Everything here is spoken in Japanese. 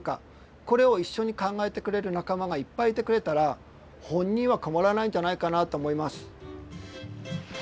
これを一緒に考えてくれる仲間がいっぱいいてくれたら本人は困らないんじゃないかなと思います。